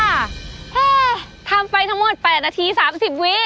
เฮ้ทำไปทั้งหมด๘นาที๓๐วินิสิบ